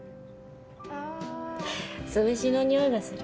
酢飯のにおいがする。